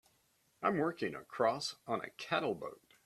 I'm working across on a cattle boat.